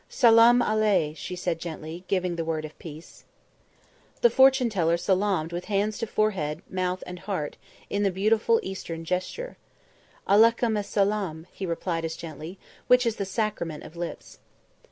"Salaam aley," she said gently, giving the word of peace. The fortune teller salaamed with hands to forehead, mouth and heart, in the beautiful Eastern gesture. "Aleykoum es Salaam!" he replied as gently, which is the sacrament of lips.